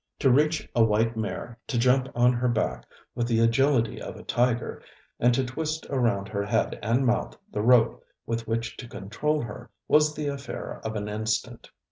To reach a white mare, to jump on her back with the agility of a tiger, and to twist around her head and mouth the rope with which to control her, was the affair of an instant.